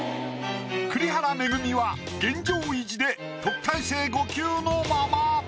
栗原恵は現状維持で特待生５級のまま。